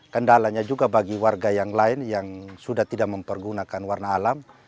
kendalanya juga bagi warga yang lain yang sudah tidak mempergunakan warna alam